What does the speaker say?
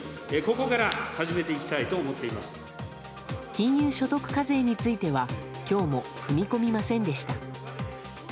金融所得課税については今日も踏み込みませんでした。